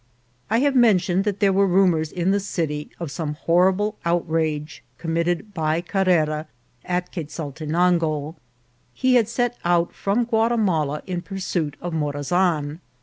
I have mentioned that there were rumours in the city of some horrible outrage committed by Carrera at Quezaltenango. He had set out from Guatimala in pursuit of Morazan.